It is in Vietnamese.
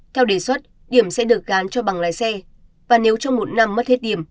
theo đề xuất điểm sẽ được gắn cho bằng lái xe và nếu trong một năm mất hết điểm